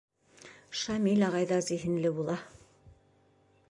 Шамил ағай ҙа зиһенле була.